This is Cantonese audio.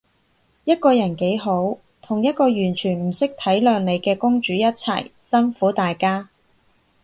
一個人幾好，同一個完全唔識體諒你嘅公主一齊，辛苦大家